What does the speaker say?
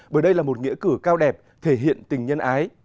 bởi đây là một nghĩa cử cao đẹp thể hiện tình nhân ái